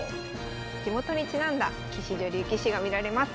地元にちなんだ棋士女流棋士が見られます。